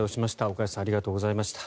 岡安さんありがとうございました。